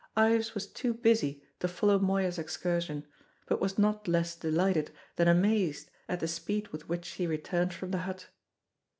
Ives was too busy to follow Moya's excursion, but was not less delighted than amazed at the speed with which she returned from the hut.